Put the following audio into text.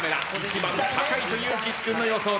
一番高いという岸君の予想です。